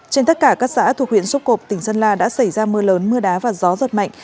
trên tất cả các xã thuộc huyện xúc cộp tỉnh sơn la đã xảy ra mưa lớn mưa đá và gió giật mạnh